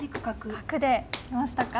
角で行きましたか。